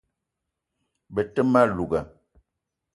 Be te ma louga